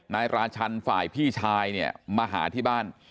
ราชันฝ่ายพี่ชายเนี่ยมาหาที่บ้าน